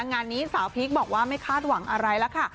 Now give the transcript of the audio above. งานนี้สาวพีคบอกว่าไม่คาดหวังอะไรแล้วค่ะ